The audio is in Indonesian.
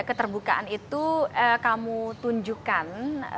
keterbukaan itu kamu tunjukkan